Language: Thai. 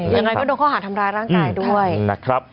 ยังไงก็โดยเขาหาทำร้ายร่างกายด้วย